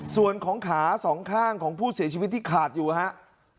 ส่วนของขาสองข้างของผู้เสียชีวิตที่ขาดอยู่ครับ